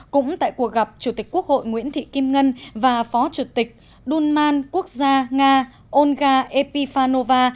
cũng tại cuộc gặp chủ tịch quốc hội nguyễn thị kim ngân và phó chủ tịch đunman quốc gia nga olga epifanova